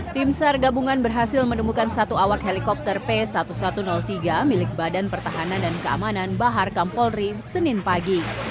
tim sar gabungan berhasil menemukan satu awak helikopter p seribu satu ratus tiga milik badan pertahanan dan keamanan bahar kampolri senin pagi